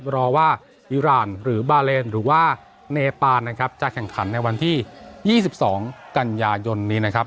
รอว่าอิราณหรือบาเลนหรือว่าเนปานนะครับจะแข่งขันในวันที่๒๒กันยายนนี้นะครับ